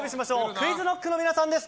ＱｕｉｚＫｎｏｃｋの皆さんです！